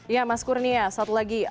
ya mas kurnia satu lagi